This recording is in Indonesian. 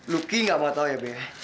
lucky enggak mau tahu ya be